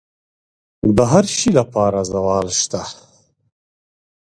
د هر شي لپاره زوال شته،